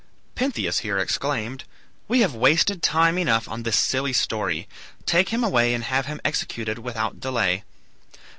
Pentheus here exclaimed, "We have wasted time enough on this silly story. Take him away and have him executed without delay."